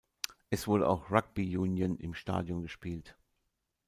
Es wurde auch Rugby Union im Stadion gespielt.